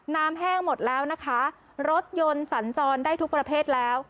แห้งหมดแล้วนะคะรถยนต์สัญจรได้ทุกประเภทแล้ว